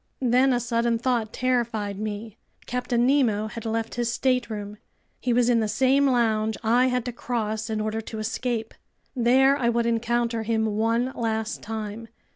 Then a sudden thought terrified me. Captain Nemo had left his stateroom. He was in the same lounge I had to cross in order to escape. There I would encounter him one last time.